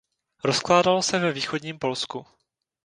Rozkládalo se ve východním Polsku.